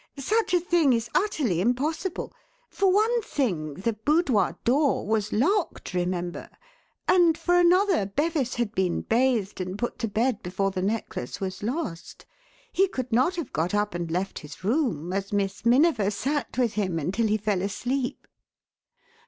Such a thing is utterly impossible. For one thing, the boudoir door was locked, remember; and, for another, Bevis had been bathed and put to bed before the necklace was lost. He could not have got up and left his room, as Miss Miniver sat with him until he fell asleep."